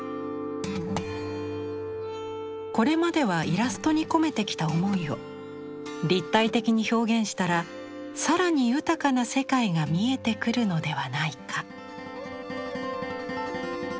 これまではイラストに込めてきた思いを立体的に表現したら更に豊かな世界が見えてくるのではないか。